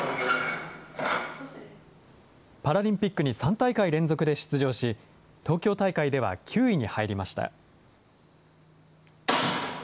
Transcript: パラリンピックに３大会連続で出場し、東京大会では９位に入りました。